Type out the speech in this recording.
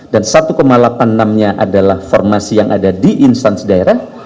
dan satu delapan puluh enam nya adalah formasi yang ada di instansi daerah